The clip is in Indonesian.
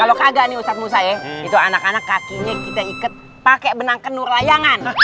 kalau kagak nih ustadz musa ya itu anak anak kakinya kita ikut pakai benang kenur layangan